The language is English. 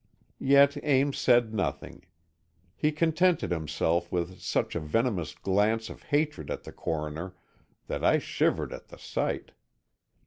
Yet Ames said nothing. He contented himself with such a venomous glance of hatred at the Coroner, that I shivered at the sight.